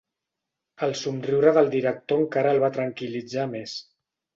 El somriure del director encara el va tranquil·litzar més.